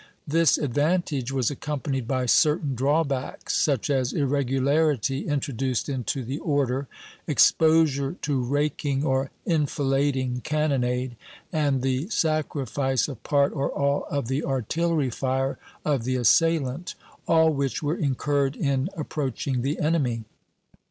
This advantage was accompanied by certain drawbacks, such as irregularity introduced into the order, exposure to raking or enfilading cannonade, and the sacrifice of part or all of the artillery fire of the assailant, all which were incurred in approaching the enemy.